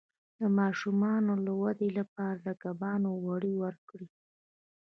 د ماشوم د ودې لپاره د کبانو غوړي ورکړئ